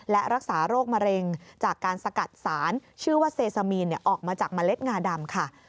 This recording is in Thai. และรักษาโรคมะเร็งจากการสกัดสารชื่อว่าเซซามีนออกมาจากเมล็ดงาดำค่ะ